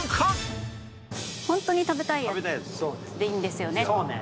ホントに食べたいやつでいいんですよね。